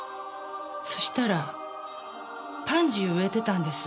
そしたらパンジーを植えてたんです。